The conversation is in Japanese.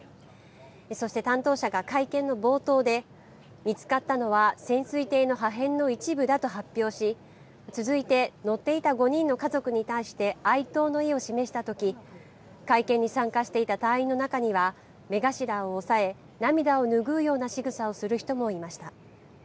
そして担当者が会見の冒頭で、見つかったのは潜水艇の破片の一部だと発表し、続いて乗っていた５人の家族に対して哀悼の意を示したとき、会見に参加していた隊員の中には、目頭を押さえ、涙を拭うようなしぐさをする人もいました。